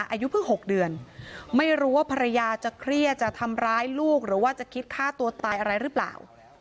อายุเพิ่ง๖เดือนไม่รู้ว่าภรรยาจะเครียดจะทำร้ายลูกหรือว่าจะคิดฆ่าตัวตายอะไรหรือเปล่า